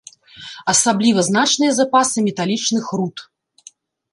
Асабліва значныя запасы металічных руд.